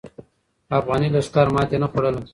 افغاني لښکر ماتې نه خوړله.